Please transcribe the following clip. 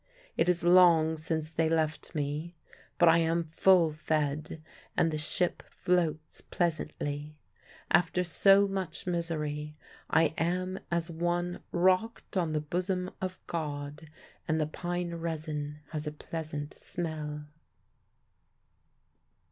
It is long since they left me; but I am full fed, and the ship floats pleasantly. After so much misery I am as one rocked on the bosom of God; and the pine resin has a pleasant smell.